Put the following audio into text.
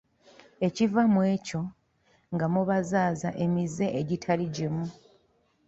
Ekiva mu ekyo nga mubazaaza emize egitali gimu.